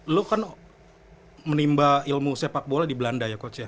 lo kan menimba ilmu sepak bola di belanda ya coach ya